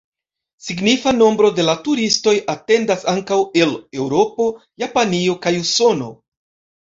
Signifa nombro de la turistoj atendas ankaŭ el Eŭropo, Japanio kaj Usono.